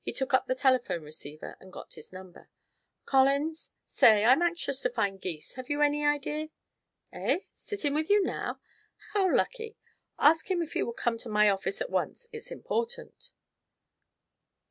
He took up the telephone receiver and got his number. "Collins? Say, I'm anxious to find Gys. Have you any idea Eh? Sitting with you now? How lucky. Ask him if he will come to my office at once; it's important."